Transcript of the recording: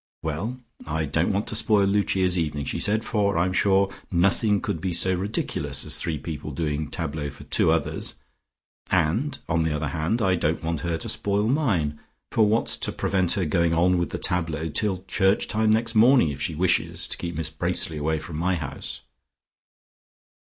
"Well; I don't want to spoil Lucia's evening," she said, "for I'm sure nothing could be so ridiculous as three people doing tableaux for two others. And on the other hand, I don't want her to spoil mine, for what's to prevent her going on with the tableaux till church time next morning if she wishes to keep Miss Bracely away from my house?